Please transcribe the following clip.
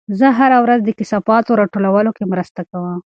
زه هره ورځ د کثافاتو راټولولو کې مرسته کوم.